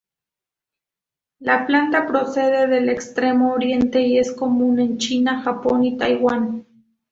La planta procede del extremo oriente y es común en China, Japón y Taiwán.